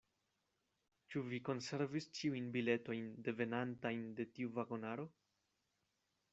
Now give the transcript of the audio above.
Ĉu vi konservis ĉiujn biletojn devenantajn de tiu vagonaro?